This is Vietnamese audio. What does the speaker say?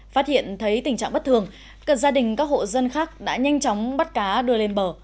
phát hiện thấy tình trạng bất thường gia đình các hộ dân khác đã nhanh chóng bắt cá đưa lên bờ